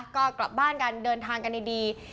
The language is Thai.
ก็กลับบ้านกันเดินทางกันดี